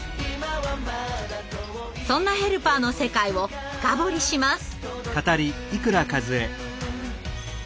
そんなヘルパーの世界を深掘りします。